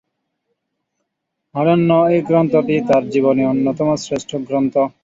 অনন্য এই গ্রন্থ’টি তার জীবনে অন্যতম শ্রেষ্ঠ গ্রন্থ।